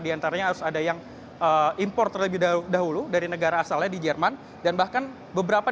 diantaranya harus ada yang impor terlebih dahulu dari negara asalnya di jerman dan bahkan beberapa